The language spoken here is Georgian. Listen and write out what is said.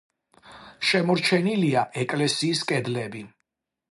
შემორჩენილია ეკლესიის კედლები.